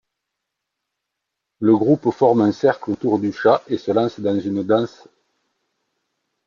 Le groupe forme un cercle autour du chat et se lance dans une danse.